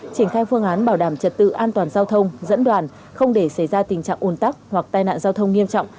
triển khai phương án bảo đảm trật tự an toàn giao thông dẫn đoàn không để xảy ra tình trạng ồn tắc hoặc tai nạn giao thông nghiêm trọng